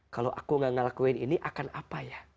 kalau aku gak ngelakuin ini akan apa ya